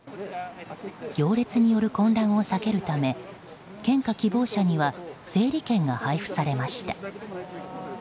行列による混乱を避けるため献花希望者には整理券が配布されました。